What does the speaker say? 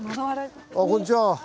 あっこんにちは。